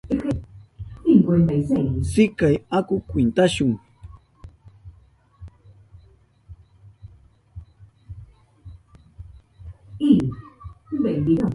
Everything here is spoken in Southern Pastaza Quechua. Sikay, aku kwintashu.